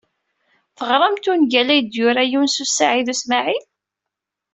Teɣramt ungal ay d-yura Yunes u Saɛid u Smaɛil?